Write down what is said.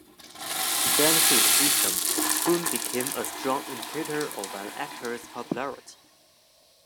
The benefit system soon became a strong indicator of an actor's popularity.